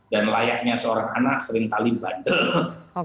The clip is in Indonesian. dan layaknya seorang anak seringkali bandel